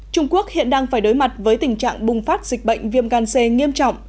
trung quốc hiện đang phải đối mặt với tình trạng bùng phát dịch bệnh viêm gan c nghiêm trọng